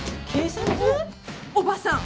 おばさん。